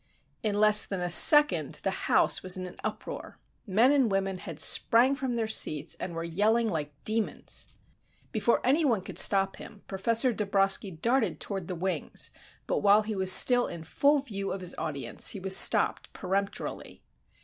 In less than a second the house was in an uproar. Men and women had sprang from their seats and were yelling like demons. Before any one could stop him, Professor Dabroski darted toward the wings, but while he was still in full view of his audience, he was stopped peremptorily.